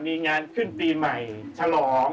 มีงานขึ้นปีใหม่ฉลอง